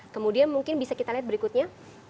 kemudian mungkin bisa kita lihat berikutnya